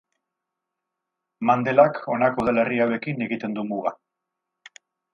Mandelak honako udalerri hauekin egiten du muga.